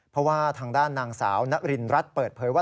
เพราะว่าทางด้านนางสาวนรินรัฐเปิดเผยว่า